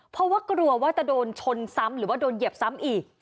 เพราะว่ากลัวว่าจะโดนชนซ้ำหรือว่าโดนเหยียบซ้ำอีก